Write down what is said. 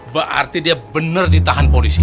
berarti dia benar ditahan polisi